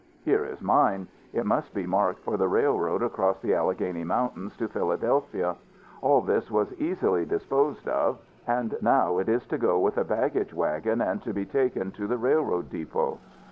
Here is mine. It must be marked for the railroad across the Alleghany Mountains to Philadelphia. All this was easily disposed of. And now it is to go with a baggage wagon, and to be taken to the railroad depot.